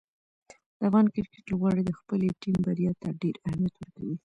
د افغان کرکټ لوبغاړي د خپلې ټیم بریا ته ډېر اهمیت ورکوي.